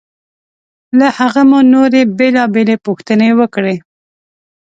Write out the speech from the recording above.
له هغه مو نورې بېلابېلې پوښتنې وکړې.